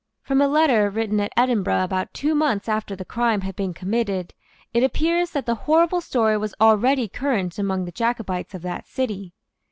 From a letter written at Edinburgh about two months after the crime had been committed, it appears that the horrible story was already current among the Jacobites of that city.